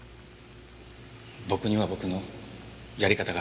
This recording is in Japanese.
僕には僕のやり方があるんです。